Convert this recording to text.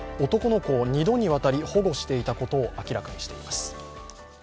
男の子を２度にわたり保護していたことを明らかにしています。